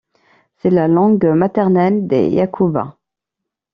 C’est la langue maternelle des Yacoubas.